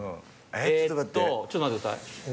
えっとちょっと待ってください。